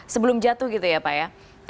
sebelum jatuh gitu ya pak ya